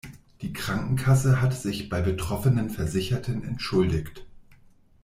Die Krankenkasse hat sich bei betroffenen Versicherten entschuldigt.